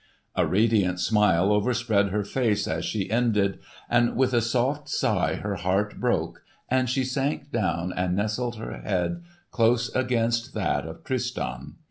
A radiant smile overspread her face as she ended, and with a soft sigh her heart broke and she sank down and nestled her head close against that of Tristan.